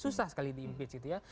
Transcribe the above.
susah sekali di impeach itu ya